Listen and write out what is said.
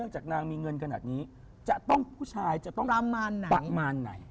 จากนางมีเงินขนาดนี้ผู้ชายจะต้องประมาณไหน